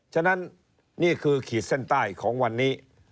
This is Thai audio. ฉะนั้นนี่คือขีดเส้นใต้ของวันนี้